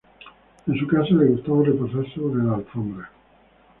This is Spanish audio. En su casa, le gustaba reposar sobre la alfombra.